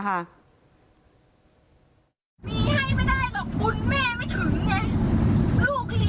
เตรียมส่งรัฐดาลอ่านหนังสือ